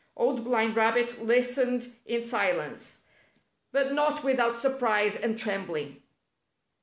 Old Blind Rabbit listened in silence, but not without smprise and trembling.